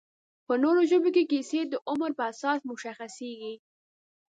په نورو ژبو کې کیسې د عمر په اساس مشخصېږي